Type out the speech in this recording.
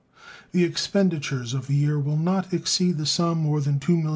The expenditures of the year will not exceed that sum more than $2,000,000.